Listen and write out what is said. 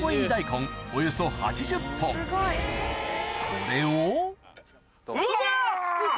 これをうわ！